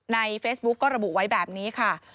ในเฟซบุ๊กก็ระบุไว้แบบนี้ค่ะ